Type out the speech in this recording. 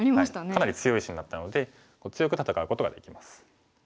かなり強い石になったので強く戦うことができます。